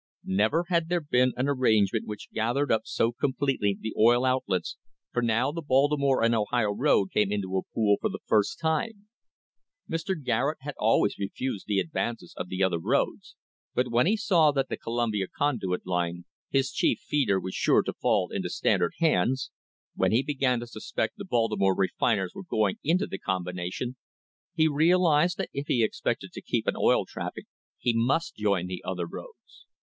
Never had there been an arrangement which gathered ujf so completely the oil outlets, for now the Baltimore and Ohio road came into a pool for the first time. Mr. Gajxett had always refused the advances of the other roads,« |hyhen he saw that the Columbia Con duit Line, his cl r feeder, was sure to fall into Standard hands; when he blpin to suspect the Baltimore refiners were going into the combination, to realised that if he expected to keep an oil traffic he must join the other roads.